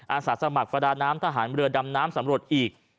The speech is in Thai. อาสาสมัครประดาน้ำทหารเรือดำน้ำสำรวจอีก